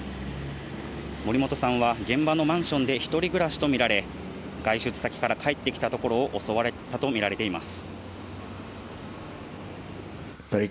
森本さんは現場のマンションで一人暮らしとみられ、外出先から帰ってきたところを襲われたとみられています。